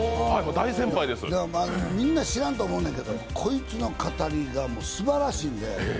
みんな知らんと思うんやけど、こいつのかたりがすばらしいので。